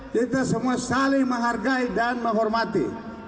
kita semua saling menghargai dan menghormati